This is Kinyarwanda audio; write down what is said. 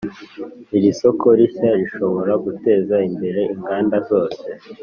iri soko rishya rishobora guteza imbere inganda zose.